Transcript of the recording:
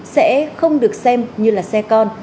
sẽ không được xem như là xe con